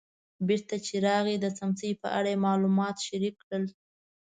بېرته چې راغی د څمڅې په اړه یې معلومات شریک کړل.